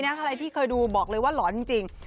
อะไรที่เคยดูบอกเลยว่าหลอนจริง